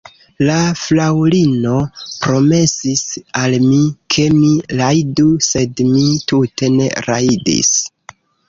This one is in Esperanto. La fraŭlino promesis al mi, ke mi rajdu, sed mi tute ne rajdis.